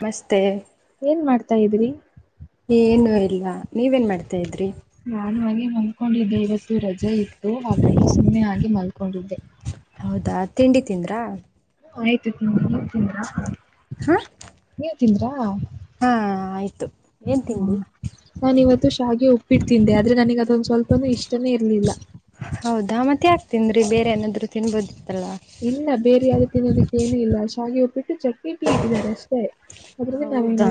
ಮಸ್ತೆ. ತ ಇದ್ದ್ರರಿ. ಏನು ಇಲ್ಲ. ಡ್ತಾ ಇದ್ರಿ. ನಾನು ಹಾಗೆ ಮಲ್ಕೊಂಡಿದ್ದೆ ಇವತ್ತು ರಜೆ ಇತ್ತು ಹಾಗು ಸುಮ್ಮನೆ ಹಾಗೆ ಮಲ್ಕೊಂಡಿದ್ದೆ. ಹೌದಾ ತಿಂಡಿ ತಿಂದ್ರಾ. ಆಯ್ತಾಯತ್ ತಿಂಡಿ ನೀವು ತಿಂದ್ರ. ಹಾ. ತಿಂದ್ರಾ ಹಾ ಆಯ್ತು ಏನ್ ತಿಂಡಿ ನಾನ ಇವತ್ತು ಸಾವಿಗೆ ಉಪ್ಪಿಟ್ಟು. ಬಿಡ್ತಿಂದೆ ಆದ್ರೆ ನನಗ ಅದೊಂದು ಸ್ವಲ್ಪ ಇಷ್ಟನೇ ಇರ್ಲಿಲ್ಲ. ಹೌದಾ ಮತ್ತೆ ಯಾಕ್ತ ತಿಂದ್ರೆ ಬೇರೆ ಏನಾದ್ರು ತಿನ್ಬೋದು ಇಲ್ಲ ಬೇರೆ ಯಾರು ತಿನ್ನೋದಕ್ಕ ಏನು ಇಲ್ಲ ಸಾವಿಗೆ ಒಪ್ಪಿಟ್ಟು ಚಟ್ನಿ ಟೀ ಇಟ್ಟಿದ್ದಾರೆ ಅಷ್ಟೇ. ಅದ್ರಲ್ಲಿ ನಾವೇನ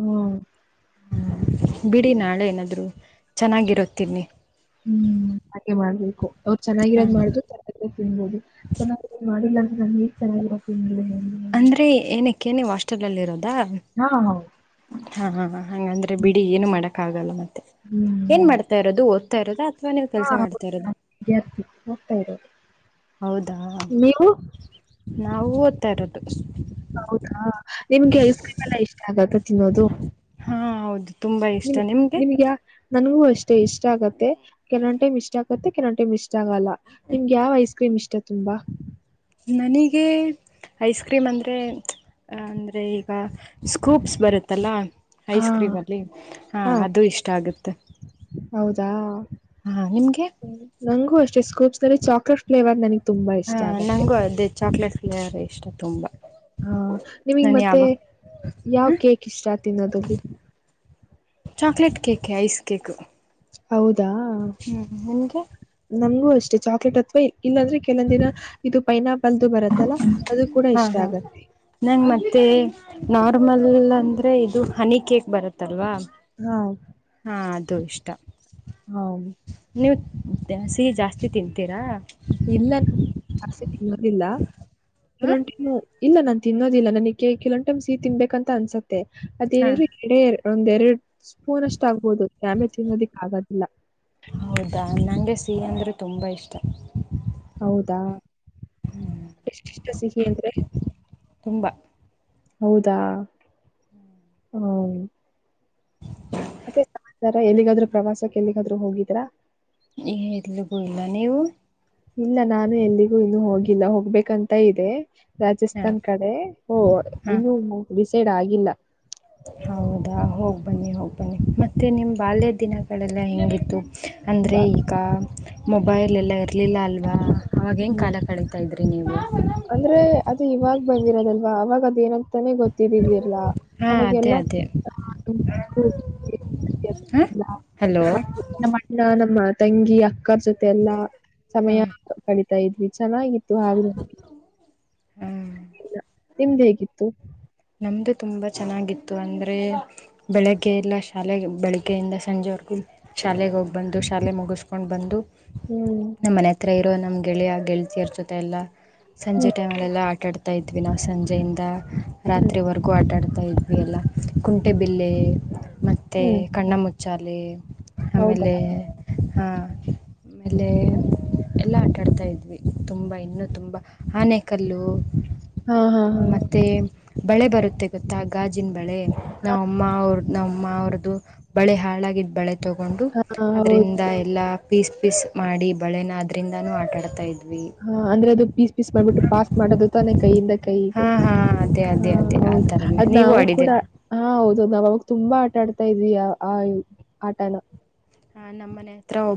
ಹ. ಹ ಬಿಡಿ ನಾಳೆ ಏನಾದ್ರು ಚೆನ್ನಾಗಿರತ್ತೀನಿ. ಹ್ಮ್ ಹಾಗೆ ಮಾಡ್ಬೇಕು. ಅವ್ರು ಹಾ ಚೆನ್ನಾಗಿರೋದ್ ಮಾಡುದು ಚೆನ್ನಾಗಿ ತಿನ್ಬಹುದು ಚೆನ್ನಾಗಿರ ಮಾಡಿಲ್ಲಂದ್ರೆ ನಾನನ್ ಹೇಗ ಚೆನ್ನಗಿರೋದು ತಿ ಅಂದ್ರೆ ಏನಕ್ಕೇ ನೀವ್ ಹಾಸ್ಟೆಲ್ ಅಲ್ಲಿ ಇರೋದು. ಹಾ ಹೌ. ಹಾ ಹಾ ಹಂಗಂದ್ರೆ ಬಿಡಿ ಏನು ಮಾಡಕ್ ಆಗಲ್ಲ ಮತ್ತೆ ಹ್ಮ್ ಏನ್ ಹೌದು ಮಾಡ್ತಾ ಇರದು ಓದ್ತಾ ಇರೋದು. ತ ನೀವು ಹಾ ಕೆಲ್ಸ ಹೌದಾ ಮಾಡ್ತಾ ಇರೋದು. ವಿದ್ಯಾರ್ಥಿ ಹೋಗ್ತಾ ಇರೋದು. ಹೌದಾ ನೀವು? ನಾವು ಓದ್ತಾ ಇರೋದು. ಹೌದಾ ನಿಮ್ಗೆ ಐಸ್ ಕ್ರೀಮ್ ಎಲ್ಲಾ ಇಷ್ಟ ಆಗತ್ತ ತಿನ್ನೋದು. ಹಾ ಹೌದು ತುಂಬಾ ಇಷ್ಟ ನಿಮ್ ನಿಮ್ಗೆ. ಯಾ ನನ್ಗೂ ಅಷ್ಟೆ ಇಷ್ಟ ಆಗುತ್ತೆ ಕೆನವ್ ಟೈಮ್ ಇಷ್ಟ ಆಗತ್ತೆ ಕೆವೊಟೈಮ್ ಇಷ್ಟ ಆಗಲ್ಲ ನಿಮ್ಗೆ ಯಾವಯಸ್. ಕ್ರೀಮ ಇಷ್ಟ ತುಂಬಾ. ನನಗೆ ಐಸ್ ಕ್ರೀಮ್ ಅಂದರೆ ಅಂದರೆ ಈಗ. ಸ್ಕೂಪ್ಸ್ ಬರುತ್ತಲ್ಲ ಹಾ ಐಸ್ ಕ್ರೀಮಲ್ಲಿ ಹಾಂ ಹಾ ಅದು ಇಷ್ಟ ಆಗುತ್ತೆ. [inaudible] ನಂಮ್ಗೆ ನಂಗು ಅಷ್ಟೇ ಸ್ಕೂಪ್ಸ್ ನಲ್ಲಿ ಚಾಕಲೇಟ್ ಫ್ಲೆವರ್ ನನಿಗ್ ಹಾ ನಂಗೂ ಅದೇ ಚಾಕ್ಲೇಟ್ ಫ್ಲೇವರ್ ಇಷ್ಟ ತುಂಬಾ ಹಾ ನಿಮಿಗ್ ಮತ್ತೆ ಯಾವ ಹಾಂ ಕೇಕ್ ಇಷ್ಟ ತಿನೋದಲ್ಲಿ ಚಾಕ್ಲೇಟ್ ಕೇಕ್ ಕೇಕು ಹೌದಾ ಹ್ಞೂ ನಿಮಗೆ ನಮಗೂ ಅಷ್ಟೇ ಚಾಕ್ಲೇಟ್ ಅಥವಾ ಇಲ್ಲಾಂದ್ರೆ ಕೆಲವಂದಿನ ಇದು ಪೈನಾಪ್ ಕಲ್ದು ಬರತ್ತಲ್ಲ ಅದು ಕೂಡ ಹಾಂ ಇಷ್ಟ ಹಾಂ ಆಗತ್ತೆ ನಂಗೆ ಮತ್ತು ನಾರ್ಮಲ್ ಅಂದ್ರೆ ಇದು ಹನಿ ಕೇಕ್ ಬರುತ್ತಲ್ವಾ ಹಾ ಹಾ ಅದು ಇಷ್ಟ ಹಾಬ್ ದೆ ಸಿಹಿ ಜಾಸ್ತಿ ತಿಂತೀರಾ ಇಲ್ಲಕ್ ಜಾಸ್ತಿ ತಿನ್ನದಿಲ್ಲ ಹಾಂ ಕೆಲ್ವೊಂದ್ ಟೈಮು ಇಲ್ಲ ನಾನ್ ತಿನ್ನೋದಿಲ್ಲ ನಮ್ಗ್ ಕೇಕ್ ಕೆಲವೊಂದು ಟೈಮ್ ಸಿಹಿ ತಿನ್ಬೇಕ ಅಂತ ಅನ್ಸತ್ತೆ ಹಾಂ ಅದೇನಿದ್ರೆ ಎರ್ಡೇ ಒಂದೆರಡು ಸ್ಪೂನ್ ಅಷ್ಟ ಆಗ್ಬಹುದು ಡ್ಯಾಮೇಜ್ ತಿನ್ನೋದಿಕ್ಕೆ ಆಗೋದಿಲ್ಲ. ಯಾರೆ ತುಂಬಾ ಇಷ್ಟ ಹೌದಾ ಎಷ್ಟಿಷ್ಟ ಸಿಹಿ ಅಂದ್ರೆ ಂಬ ಹೌದಾ ಹ್ಮ್ [unintelligible] ಮತ್ತೆ ಸಮಾಚಾರ ಎಲ್ಲಿಗಾದ್ರು ಪ್ರವಾಸಕ್ಕೆ ಎಲ್ಲಿಗಾದ್ರರು ಹೋಗಿದ್ರಾ ಏನಿಲ್ಲಬಿಇಲ್ಲ ನೀವು ಇಲ್ಲ ನಾನು ಎಲ್ಲಿಗೂ ಇನ್ನು ಹೋಗಿಲ್ಲ ಹೋಗ್ಬೇಕಂತ ಇದೆ ಹಾಂ ರಾಜಸ್ಥಾನ್ ಕಡೆ ಓ ಹಾಂ ಇನ್ನು ಡಿಸೈಡ್ ಆಗಿಲ್ಲ ಹೌದಾ ಹೋಗ್ಬನ್ನಿ ಹೋಗ್ಬನ್ನಿ ಮತ್ತೆ ನಿಮ್ ಬಾಲ್ಯ ದಿನಗಳೆಲ್ಲ ಹೆಂಗಿತ್ತು ಅಂದ್ರೆ ಬ ಈಗ ಮೊಬೈಲ್ ಎಲ್ಲ ಇರಲಿಲ್ಲ ಅಲ್ವಾ ಅವಾಗೇಂಗ ಕಾಲ ಕಳಿತಾದ್ ರಿನೀವು ಅಂದ್ರೆ ಅದು ಇವಾಗ ಬಂದಿರೋದಲ್ವಾ ಅವಾಗ ಅದು ಏನಂತಾನೆ ಗೊತ್ತ ಗೊತ್ತಿದಿರುದಿಲ್ಲ ಹಾಂ ಅದೇ ಅವಾಗೆಲ್ಲ ಅದೇ ಹಾಂ ಹಲೋ ನಮ್ಅಣ್ಣ ತಂಗಿ ಅಕ್ಕರ್ ಜೊತೆ ಎಲ್ಲಾ ಸಮಯ ಹಾಂ ಕಳಿತಾಇದ್ವಿ ಚೆನ್ನಾಗಿತ್ತು ಹಾವ್ ಹಾಂ ನಿಮ್ದುಹೇಗಿತ್ತು ನಮ್ಮದು ತುಂಬ ಚೆನ್ನಾಗಿತ್ತು ಅಂದರೆ ಬೆಳಗ್ಗೆ ಎಲ್ಲಾ ಶಾಲೆ ಬೆಳಗ್ಗೆಯಿಂದ ಸಂಜೆವರೆಗೂ ಶಾಲೆಗೆ ಹೋಗ್ಬಂದು ಶಾಲೆ ಮುಗಿಸ್ಕೊಂಡು ಬಂದು ಹ್ಮ್ ನಮ್ಮ ಮನೆ ಹತ್ರ ಇರೋ ನಮ್ ಗೆಳೆಯ ಗೆಳತಿಯರ್ ಜೊತೆ ಎಲ್ಲಾ ಸಂಜೆ ಹ್ಮ್ ಟೈಮಲೆಲ್ಲ ಆ ಅಡ್ತಾ ಇದ್ವಿ ನಾವು ಸಂಜೆಯಿಂದ ಹ್ಮ್ ರಾತ್ರಿವರೆಗೂ ಆಟಡ್ ಇದ್ವಿ ಎಲ್ಲ ಕುಂಟೆ ಬಿಲ್ಲೆ ಮತ್ತೇ ಹ್ಮ್ ಕಣ್ಣ ಮುುಚ್ಚಾಲೆ ಹೌದಾ ಅಮೇಲೆ ಹಾ ಆಮೇಲೆ ಎಲ್ಲಾ ಆಟಾಡ್ತಾ ಇದ್ವಿ ತುಂಬಾ ಇನ್ನು ತುಂಬಾ ಆನೆ ಕಲ್ಲು ಹಾ ಹಾ ಹಾ ಬಳೆ ಬರುತ್ತೆ ಗೊತ್ತಾ ಗಾಜಿನ ಬಳೆ ನಾಮಮ್ಮ ಅವ್ರ್ ನಮ್ಮ ಅವ್ರ್ದು ಬೆಳೆ ಹಾಳಾಗಿದ್ದು ಬಳೆ ತಗೊಂಡು ಹಾ ಹೌದು ಅದರಿಂದ ಎಲ್ಲ ಪಿಸ್ ಪಿಸ್ ಮಾಡಿ ಬಳೆನ ಆದ್ರಿಂದಾನೂ ಆಟಾಡ್ತಾ ಇದ್ವಿ ಹ ಅಂದ್ರೆ ಅದು ಪೀಸ್ ಪೀಸ್ ಮಾಡಬಿಟ್ಟು ಪಾಸ್ ಮಾಡೋದು ತಾನೆ ಕೈಯಿಂದ ಕೈಗೆ ಹಾಂ ಹಾಂ ಅದೇ ಅದೇ ಹ ಅದೇ ಆ ಹೌದು ಥರನೇ ಅದ್ ನೀವು ನಾವು ಕೂಡ ಆಡಿದ್ದೀರ ಹ ಹೌದು ನಾವ್ ಅನಾಗ ತುಂಬಾ ಆಟ ಆಡ್ತಾ ಇದ್ವಿ ಆಈ ಆಟನ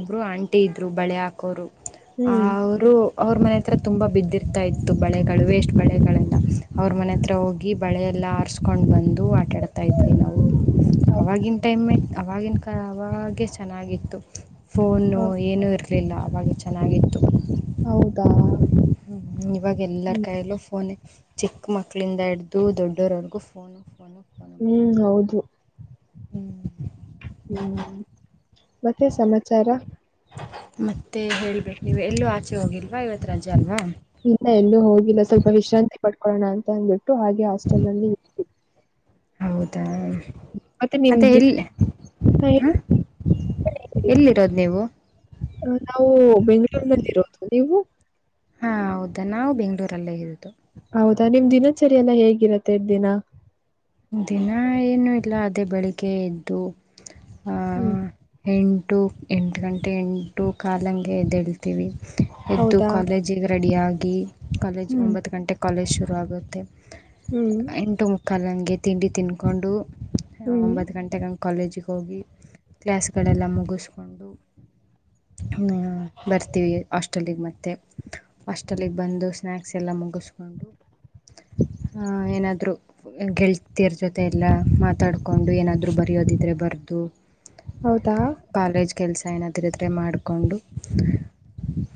ಬ್ಬರು ಆಂಟಿ ಇದ್ದರು ಬಳೆ ಹಾಕೋರು ಹ್ಮ್ ಅವರು ಅವ್ರ ಮನೆ ಹತ್ರ ತುಂಬ ಬಿದ್ದಿರ್ತಾ ಇತ್ತು ಬಳೆಗಳು ವೇಸ್ಟ್ ಬಳೆಗಳೆಲ್ಲ ಅವ್ರ ಮನೆ ಹತ್ರ ಹೋಗಿ ಬಳೆಯಲ್ಲ ಎಲ್ಲ ಆರ್ಸ್ಕೊಂಡ್ ಬಂದು ಆಟ ಆಡ್ತಾ ಇದ್ವಿ ನಾವು ಹೌ- ಆವಾಗಿನ ಟೈಮ್ ಅವವಾಗಿನ ಕ ಅವಾಗೆ ಚೆನ್ನಾಗಿತ್ತು ಹಾ ಫೋನು ಏನೂ ಇರಲಿಲ್ಲ ಅವಾಗೆ ಚೆನ್ನಾಗಿತ್ತು ಹೌದಾ ಹ್ಮ್ ಇವಾಗ ಎಲ್ಲರ ಹ್ಮ್ ಕಾಯಲ್ಲೂ ಫೋನ್ ಚಿಕ್ಕ ಮಕ್ಕಳಿಂದ ಹಿಡ್ದು ದೊಡ್ಡೋರವರ್ಗು ಫೋನು ಫೋನು ಫೋನು ಬರೀ ಹ್ಮ್ ಹೌದು ಹ್ಮ್ ಮತ್ತೆ ಸಮಾಚಾರ ಮತ್ತೆ ಹೇಳ್ಬೇಕು ನೀವು ಎಲ್ಲೂ ಆಚೆ ಹೋಗಿಲ್ವಾ ಇವತ್ತು ರಜೆ ಅಲ್ವಾ ಇನ್ನ ಎಲ್ಲೂ ಹೋಗಿಲ್ಲ ಸ್ವಲ್ಪ ವಿಶ್ರಾಂತಿ ಪಡ್ಕೊಳ್ಳೋಣ ಅಂತ ಅಂದ್ಬಿಟ್ಟು ಹಾಗೆ ಹಾಸ್ಟೆಲ್ ನಲ್ಲಿ ಹೌದಾ ನಿಮ್ ಮತ್ತೆ ದಿನ ಎಲ್ಲಿ ಹಾ, ಹ್ಮ ಹೇಳಿ. ಎಲ್ಲಿರೋದು ನೀವು ಅ ನಾವು ಬೆಂ್ಗಳೂರ್ನಲ್ಲಿ ಇರೋದು ನೀವು ಹಾ ಹೌದಾ ನಾವು ಬೆಂಗ್ಳೂರಲ್ಲೇ ಇರೋದು ಹೌದಾ ನಿಮ್ ದಿನಚರಿಯಲ್ಲ ಹೇಗಿರತ್ತೆ ದಿನ ದಿನ ಏನು ಇಲ್ಲ ಅದೇ ಬೆಳಿಗ್ಗೆ ಎದ್ದು ಆ ಹ್ಮ್ ಎಂಟು ಎಂಟು ಗಂಟೆ ಎಂಟು ಕಾಲಂಗೆದ್ದಳ್ತೀವಿ ಎದ್ದು ಹೌದಾ ಕಾಲೇಜಿಗೆ ರೆಡಿಯಾಗಿ ಕಾಲೇಜ್ ಹ್ಮ್ ಒಂಬತ್ತು ಗಂಟೆಗೆ ಕಾಲೇಜ್ ಶುರು ಆಗುತ್ತೆ ಹ್ಮ್ ಕಲ್ಲಂಗೆ ತಿಂಡಿ ತಿಂದಕೊಂಡು ಹ್ಮ್ ಒಂಬತ್ತು ಗಂಟೆಗೆ ಹಂಗೆ ಕಾಲೇಜಿಗೆ ಹೋಗಿ ಕ್ಲಾಸ್ ಗಳೆಲ್ಲ ಮುಗಿಸ್ಕೊಂಡು ಹ್ಮ್ ಬರ್ತೀವಿ ಹಾಸ್ಟೆಲಿಗೆ ಮತ್ತೆ ಹಾಸ್ಟೆಲಿಗೆ ಬಂದು ಸ್ನಾಯಾಕ್ಸ್ ಎಲ್ಲ ಮುಗಿಸ್ಕೊಂಡು ಆ ಏನಾದ್ರು ಗೆಳ್ ತಿರ ಜೊತೆ ಎಲ್ಲ ಮಾತಾಡ್ಕೊಂಡು ಏನಾದರೂ ಬರೆಯೋದಿದ್ರೆ ಬರದು ಹೌದಾ ಕಾಲೇಜ್ ಕೆಲಸ ಏನಾದರಿದ್ರೆ ಮಾಡಿಕೊಂಡು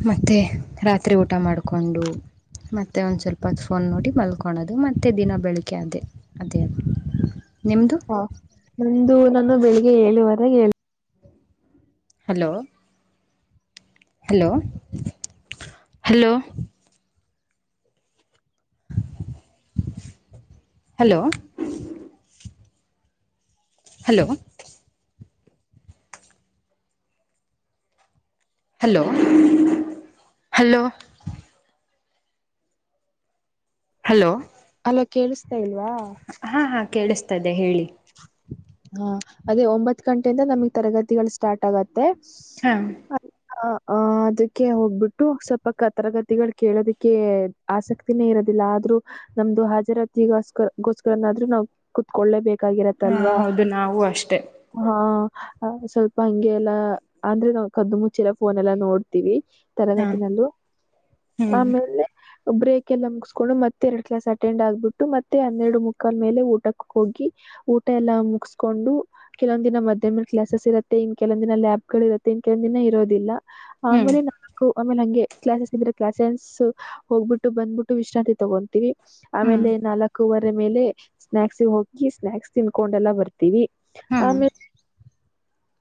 ಮತ್ತೆ ರಾತ್ರಿ ಊಟ ಮಾಡಿಕೊಂಡು ಮತ್ತೆ ಒಂದ್ ಸ್ವಲ್ಪ ಫೋನ್ ನೋಡಿ ಮಲ್ಕಳೋದು ಮತ್ತೆ ದಿನ ಬೆಳಿಗ್ಗೆ ಅದೇ ಅದೇ ನಿಮ್ಮದು ಹಾ ನಂದು ನಾನು ಬೆಳಿಗ್ಗೆ ಏಳುವರೆಗೆ ಹೇಳ hello hello hello hello hello hello hello hello ಲ್ಲೇ ಕೇಳಿಸ್ತಾ ಇಲ್ಲ ಹಾ ಹಾ ಕೇಳಿಸ್ತದೆ ಹೇಳಿ ಹಾ ಅದೇ ಒಂಬತ್ ಗಂಟೆಯಿಂದ ನಮಗ್ ತರಗತಿಗಳು ಸ್ಟಾರ್ಟ್ ಆಗತ್ತೆ ಹಾ ತ್ತೆ ಅ ಹ ಆ ಅದಕ್ಕೆ ಹೋಗ್ಬಿಟ್ಟು ಸ್ವಲ್ಪ ಕ ತರಗತಿಗಳು ಕೇಳೋದಕ್ಕೆ ಆಸಕ್ತಿನೇ ಇರ ದಿಲ್ಲ ಆದ್ರೂ ನಮ್ದು ಹಾಜರಾತಿಗಸ್ಕ ಗೋಸ್ಕರನಾದ್ರೂ ನಾವು ಕುತ್ಕೊಳ್ಳೇಬೇಕ್ ಹಾ ಕಾಗಿರತ್ತಲ್ವಾ ಹೌದು ನಾವು ಅಷ್ಟೆ ಹಾ ಅ ಸ್ವಲ್ಪ ಹಂಗೆ ಎಲ್ಲಾ ಅಂದ್ರೆ ನಾವು ಕದ್ದು ಮುಚ್ಚೆಲ್ಲ ಫೋನ್ ಎಲ್ಲಾ ನೋಡ್ತೀವಿ. ಹಾ ತರಗತಿನಲ್ಲೂ ಹ್ಮ್ ಆಮೇಲೆ ಬ್ರೇಕ್ ಎಲ್ಲ ಮುಗಿಸಸ್ಕೊಂಡು ಮತ್ತೆ ಎರಡ್ ಕ್ಲಾಸ್ ಅಟೆಂಡ್ ಆಗ್ಬಿಟ್ಟು ಮತ್ತೆ ಹನ್ನೆರಡು ಮುಕ್ಕಾಲ್ ಮೇಲೆಊಟಕ್ಕೆ ಹೋಗಿ ಊಟ ಎಲ್ಲಾ ಮುಗಸ್ಕೊಂಡು ಕೆಲವೊಂದ ದಿನ ಮಧ್ಯಾಹ್ನ ಕ್ಲಾಸಸ್ ಇರುತ್ತೆ ಕೆಲವಂದ ದಿನ ಲ್ಯಾಬ್ ಗಳು ಇರುತ್ತೆ. ಕೆಲ್ ದಿನ ಇರೋದಿಲ್ಲ ಹ್ಮ್ ಆಮೇಲೆ ನಾಲ್ಕು ಆಮೇಲೆ ಹಂಗೆ ಕ್ಲಾಸಸ್ ಇದ್ರೆ ಕ್ಲಾಸಸ್ ಹೋಗ್ಬಿಟ್ಟು ಬಂದ್ಬಿಟ್ಟು ವಿಶ್ರಾಂತಿ ತಗೊಂತೀವಿ ಹ್ಮ್ ಆಮೇಲೆ ನಾಲ್ಕೂವರೆ ಮೇಲೆ ಸ್ನಾಯಕ್ಸ್ ಹೋಗಿ ಸ್ನಾಯಕ್ಸ್ ತಿನ್ಕೊಂಡೆಲ್ಲ ಬರ್ತೀವಿ ಹಾ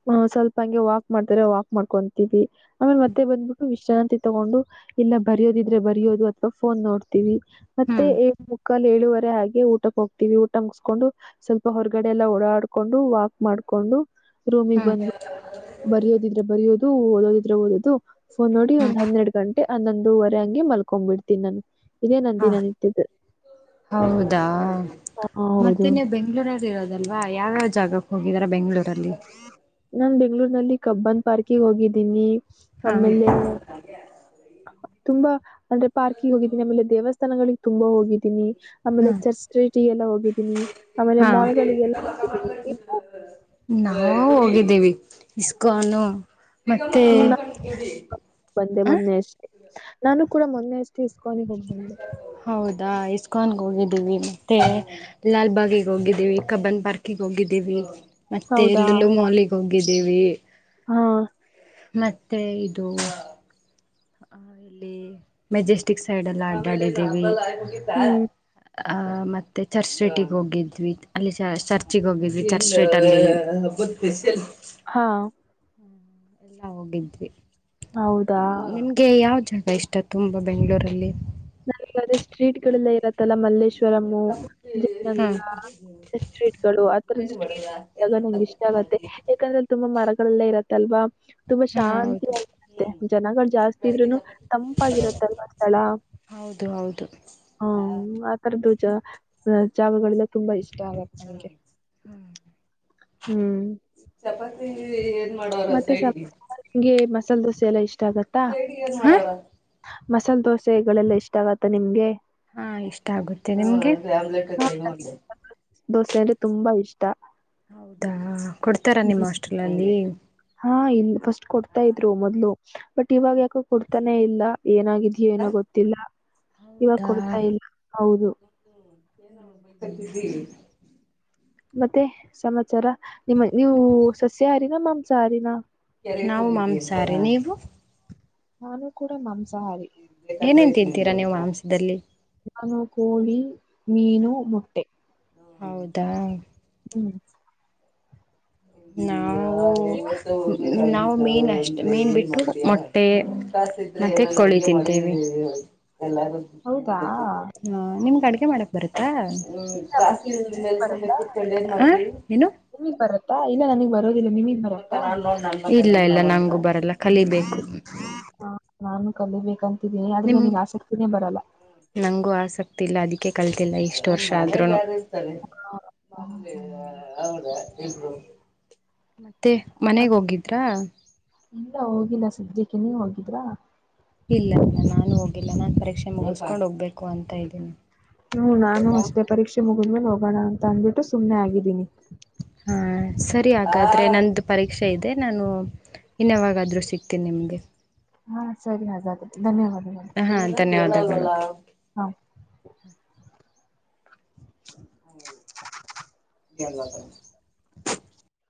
ಹ್ಮ್ ಸ್ವಲ್ಪ ಹಂಗೆ ವಾಕ್ ಮಾಡ್ತ್ರ ವಾಕ್ ಮಾಡ್ಕೊಂತೀವಿ ಆಮೇಲೆ ಮತ್ತೆ ಬಂದ್ಬಿಟ್ಟು ವಿಶ್ರಾಂತಿ ತಗೊಂಡು ಇಲ್ಲ ಬರಿಯೋದಿದ್ರೆ ಬರಿಯೋದು ಅಥವಾ ಫೋನ್ ನೋಡ್ತೀವಿ ಮತ್ತೆ ಹ್ಮ್ ಏ ಕ್ಕಲ್ ಏಳುವರೆ ಆಗಿ ಊಟಕ್ಕ ಹೋಗ್ತಿವಿ ಊಟ ಮುಗ್ಸ್ ಕೊಂಡು ಸ್ವಲ್ಪ ಹೊರಗಡೆ ಎಲ್ಲಾ ಓಡಾಡ್ಕೊಂಡು ವಾಕ್ ಮಾಡ್ಕೊಂಡು ರೂಮಿಗೆ ಹ್ಮ್ ಬಂದ್ಬಿಟ್ಟು ಬರಿಯೋದಿದ್ರೆ ಬರಿಯೋದು ಓದೋದಿದ್ರೆ ಓದೋದು ಫೋನ್ ನೋಡಿ ಒಂದ್ ಹನ್ನೆರಡು ಗಂಟೆ ಹನ್ನೊಂದುವರೆ ಹಂಗೆ ಮಲ್ಕೊಂಡ್ ಬಿಡ್ತೀನಿ ನಾನು ಇದೇ ನನ್ ಹಾ ದಿನನಿತ್ಯದ ಹೌದಾ ಹೌದು ಮತ್ತೇನೆ ಬೆಂಗ್ಳೂರಲ್ಲಿ ಇರೋದ್ ದಲ್ವಾ ಯಾವ್ಯಾವ ಜಾಗಕ್ ಹೋಗಿದ್ದಿರಾ ಬೆಂಗ್ಳೂರಲ್ಲಿ ನಾನ್ ಬೆಂಗ್ಳೂರ್ ನಲ್ಲಿ ಕಬ್ಬನ್ ಪಾರ್ಕಗೆ ಹೋಗಿದ್ದೀನಿ. ಹಾ ಆಮೇಲೆ ತುಂಬಾ ಅಂದ್ರೆ ಪಾರ್ಕಿಗೆ ಹೋಗಿದ್ದೀನಿ ಆಮೇಲೆ ದೇವಸ್ಥಾನಗಳಿಗೆ ತುಂಬಾ ಹೋಗಿದ್ದೀನಿ. ಹಾ ಆಮೇಲೆ ಚರ್ಚ್ ಸ್ಟ್ರೀಟ್ಗೆಲ್ಲ ಹೋಗಿದ್ದೀನಿ ಆಮೇಲೆ ಹಾ ಮಾಲ್ ಗಳಿಗೆಲ್ಲ ಹೋಗಿದ್ದೀನಿ. ನಾವು ಹೋಗಿದ್ದೀವಿ ಇಸ್ಕಾನು ಮತ್ತೇ ಮೂರ್ನಾಲ್ಕು ಬಂದೆ ಆ ಮೊನ್ನೆ ಅಷ್ಟೇ ನಾನು ಕೂಡ ಮೊನ್ನೆ ಅಷ್ಟೇ ಇಸ್ಕಾನಿಗೆ ಹೋಗಿ ಬಂದೆ ಹೌದಾ ಎಸ್ ಕಾನ್ ಹೋಗಿದ್ದೀವಿ ಮತ್ತೆ ಲಾಲ್ಬಾಗಿಗೆ ಹೋಗಿದ್ದೀವಿ ಕಬ್ಬನ್ ಪಾರ್ಕಿಗೆ ಹೋಗಿದ್ದೀವಿ. ಮತ್ತೆ ಹೌದಾ ಲೂಲು ಮಾಲ್ಗೆ ಹೋಗಿದ್ದೀವಿ. ಹಾ ಮತ್ತೆ ಇದು ಆ ಇಲ್ಲಿ ಮೆಜೆಸ್ಟಿಕ್ ಸೈಡ್ ಎಲ್ಲ ಅಡ್ಡಾಡಿದ್ದೀವಿ. ಹ್ಮ್ ಆ ಮತ್ತೆ ಚರ್ಚ್ ಸ್ಟ್ರೀಟಿಗೆ ಹೋಗಿದ್ವಿ ಅಲ್ಲಿ ಚ ಚರ್ಚಿಗೆ ಹೋಗಿದ್ವಿ ಚರ್ಚ್ ಸ್ಟ್ರೀಟ್ ಅಲ್ಲಿ [unintelligible] ಹಾ ಎಲ್ಲಾ ಹೋಗಿದ್ವಿ ಹೌದಾ ನಿಮ್ಗೆ ಯಾವ್ ಜಾಗ ಇಷ್ಟ ತುಂಬ ಬೆಂಗ್ಳೂರಲ್ಲಿ ನನ್ಗ ಅದೇ ಸ್ಟ್ರೀಟ್ಗಳೆಲ್ಲ ಇರತ್ತಲ್ಲ ಮಲ್ಲೇಶ್ ವರಂ ಹಾ ಜಯನಗರ ಫುಡ್ಸ್ಟ್ರೀಟ್ಗಳು ಆತರದ್ ಸ್ಟ್ರೀಟ್ ಜಾಗ ನಂಗ ಇಷ್ಟ ಆಗತ್ತೆ ಯಾಕಂದ್ರೆ ತುಂಬಾ ಮರಗಳೆಲ್ಲ ಇರತ್ತಲ್ವಾ ತುಂಬಾ ಹಾ ಹೌದು ಶಾಂತಿಯಾಗಿರುತ್ತೆ ಜನಗಳು ಜಾಸ್ತಿ ಇದ್ರುನು ತಂಪಾಗಿರತ್ತಲ್ವ ಸ್ಥಳ ಹೌದು ಹೌದು ಹ್ಮ್ ಆ ತರದ್ದು ಜ ಜಾಗಗಳೆಲ್ಲ ತುಂಬಾ ಇಷ್ಟ ಆಗತ್ತೆ ನಂಗೆ ಹ್ಮ್ [unintelligible] ಮತ್ತೆ ಸಂಗೆ ಮಸಾಲೆ ದೋಸೆ ಎಲ್ಲಾ ಇಷ್ ಹಾ ಮಸಾಲೆ ದೋಸೆಗಳೆಲ್ಲ ಇಷ್ಟ ಆಗುತ್ತಾ ನಿಮ್ಗೆ ಹಾ ಇಷ್ಟ ಆಗುತ್ತೆ ನಿಮ್ಗೆ ಹಾ ನನಗೆ ಮಸಾಲ್ ದೋಸೆ ಅಂದ್ರೆ ತುಂಬಾ ಇಷ್ಟ. ಹೌದಾ ಕೊಡ್ತಾರಾ ನಿಮ್ಮ ಹ್ಮ್. ಹಾಸ್ಟೆಲ್ನಲ್ಲಿ ತಾ ಇದ್ರು ಮೊದ್ಲು ಬಟ್ ಇವಾಗ ಯಾಕೋ ಕೊಡ್ತಾನೆ ಇಲ್ಲ ಏನಾಗಿದ್ಯೋ ಏನೋ ಗೊತ್ತಿಲ್ಲ ಇವಾಗ ಹೌದಾ ಕೊಡ್ತಾ ಇಲ್ಲ ಹೌದು ಮತ್ತೆ ಸಮಾಚಾರ ನಿಮ್ಮ ನೀವು ಸಸ್ಯ ಆಾರಿನ ಮಾಂಸಹಾರಿನ ನಾವು ಮಾಂಸಾಹಾರಿ ನೀವು ನಾನು ಕೂಡ ಮಾಂ ಏನೇನ್ ತಿಂತೀರಾ ನೀವು ಮಾಂಸದಲ್ಲಿ ನಾನು ಕೋಳಿ, ಮೀನು, ಮೊಟ್ಟೆ ಹೌದಾ ಹ್ಮ್ ನಾವು ನೀವು? ನಾವು ಮೀನ್ ಅಷ್ಟ ಮೀನ್ ಬಿಟ್ಟು ಮೊಟ್ಟೆ ನಾತಿ ಕೋಳಿ ತಿಂತೇವಿ ಹೌದಾ ಹಾ ನಿಮ್ಗೆ ಅಡ್ಗೆ ಮಾಡಕ್ ಬರುತ್ತಾ ನಿಮಗ್ ಬರುತ್ತಾ [unintelligible] ಹ ಹೇನು ನಿಮಗ್ ಬರುತ್ತಾ ಇಲ್ಲ ನನಗ್ ಬರೋದಿಲ್ಲ ನಿಮಗ್ ಬರಪ್ಪಾ ಇಲ್ಲ ಇಲ್ಲ ನಂಗು ಬರಲ್ಲ ಕಲಿಬೇಕು ನಾನು ಕಲಿಬೇಕಂತ ನಿಮಗೆ ನಂಗೂ ಆಸಕ್ತಿ ಇಲ್ಲ ಅದಕ್ಕೆ ಕಲ್ತಿಲ್ಲ ಇಷ್ಟ ಎ ವರ್ಷ ಆದ್ರೂ ಹಾ, ಮತ್ತೆ ಮನೆಗೆ ಹೋಗಿದ್ರಾ ಇಲ್ಲ ಸದ್ಯಕ್ಕೆ ನೀ ಹೋಗಿದ್ರಾ ಇಲ್ಲ ಇಲ್ಲ ನಾನು ಹೋಗಿಲ್ಲ ನಾನ್ ಪರೀಕ್ಷೆ ಮುಗಿಸಕೊಂಡ್ ಹೋಗ್ಬೇಕು ಅಂತ ಇದ್ದೀನಿ. ಹ್ಮ್ ನಾನು ಅಷ್ಟೇ ಪರೀಕ್ಷೆ ಮುಗಿದ್ಮೇಲೆ ಹೋಗೋಣ ಅಂತ ಅಂದ್ಬಿಟ್ಟು ಸುಮ್ಮ್ನೆ ಆಗಿದ್ದೀನಿ ಹಾ ಸರಿ ಹಾಗಾದರೆ ನನ್ನ ಪರೀಕ್ಷೆ ಇದೆ ನಾನು ಇನ್ ಯವಾಗಾದರೂ ಸಿಗ್ತೀನಿ ನಿಮಗೆ ಹಾ ಸರಿ ಹಾಗಾದ್ರೆ ಧನ್ಯವಾದಗಳು ಹ ಹಾ ಧನ್ಯವಾದಗಳು ಹಾ [unintelligible] [unintelligible]